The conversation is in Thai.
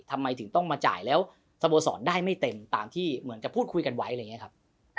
ทำไมถึงต้องมาจ่ายแล้วสโมสรได้ไม่เต็มตามที่เหมือนจะพูดคุยกันไว้อะไรอย่างนี้ครับ